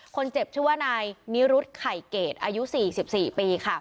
คนเจ็บชื่อว่านายนิรุธไข่เกดอายุ๔๔ปีค่ะ